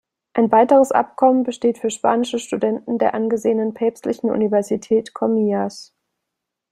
Ein weiteres Abkommen besteht für spanische Studenten der angesehenen Päpstlichen Universität Comillas.